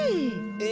え！